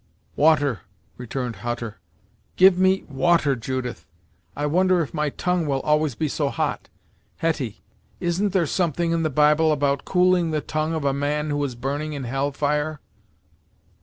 "Water," returned Hutter "give me water, Judith. I wonder if my tongue will always be so hot! Hetty, isn't there something in the Bible about cooling the tongue of a man who was burning in Hell fire?"